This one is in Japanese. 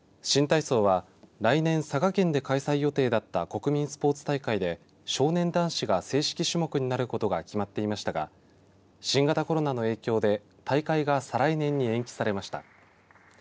新体操は来年、佐賀県で開催予定だった国民スポーツ大会で少年男子が正式種目になることが決まっていましたが新型コロナの影響で大会が再来年に延期されました。